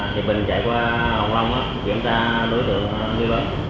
thì mình chạy qua hồng long kiểm tra đối tượng như vậy